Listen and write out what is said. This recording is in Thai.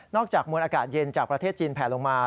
จากมวลอากาศเย็นจากประเทศจีนแผลลงมา